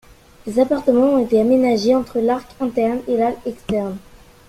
Les appartements ont été aménagés entre l'arc interne et l'arc externe.